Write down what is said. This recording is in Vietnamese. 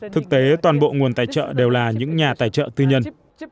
thực tế toàn bộ nguồn tài trợ đều là những nhà tài trợ tư nhân